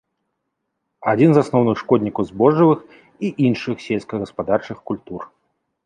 Адзін з асноўных шкоднікаў збожжавых і іншых сельскагаспадарчых культур.